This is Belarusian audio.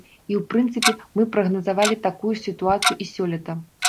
І, у прынцыпе, мы прагназавалі такую ж сітуацыю і сёлета.